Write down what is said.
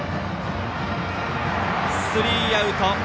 スリーアウト。